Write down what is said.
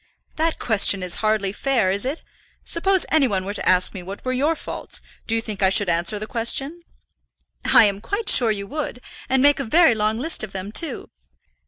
"That question is hardly fair, is it? Suppose any one were to ask me what were your faults, do you think I should answer the question?" "I am quite sure you would, and make a very long list of them, too.